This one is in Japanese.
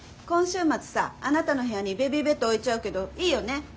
今週末さあなたの部屋にベビーベッド置いちゃうけどいいよね？